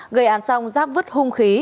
người ăn xong giáp vứt hung khí